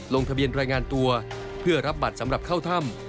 ลงทะเบียนรายงานตัวเพื่อรับบัตรสำหรับเข้าถ้ำ